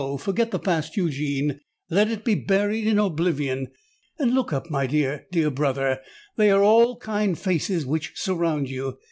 Forget the past, Eugene—let it be buried in oblivion. And look up, my dear—dear brother: they are all kind faces which surround you!